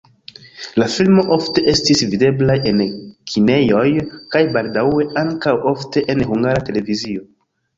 La filmo ofte estis videblaj en kinejoj kaj baldaŭe ankaŭ ofte en Hungara Televizio.